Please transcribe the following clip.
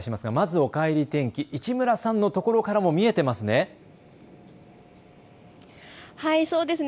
おかえり天気、市村さんのところからも見えていますね。